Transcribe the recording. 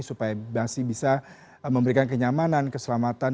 supaya masih bisa memberikan kenyamanan keselamatan